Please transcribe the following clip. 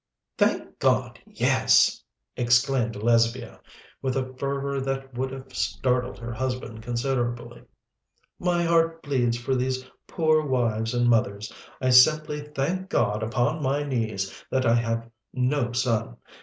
"Thank God, yes!" exclaimed Lesbia, with a fervour that would have startled her husband considerably. "My heart bleeds for these poor wives and mothers. I simply thank God upon my knees that I have no son!